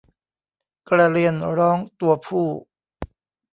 กระเรียนร้องตัวผู้